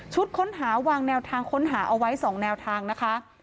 ค้นหาวางแนวทางค้นหาเอาไว้๒แนวทางนะคะ